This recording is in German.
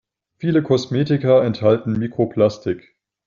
Viele Kosmetika enthalten Mikroplastik.